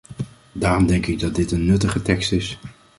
Daarom denk ik dat dit een nuttige tekst is.